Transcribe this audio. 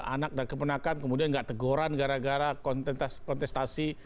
anak dan kebenaran kemudian nggak tegoran gara gara kontestasi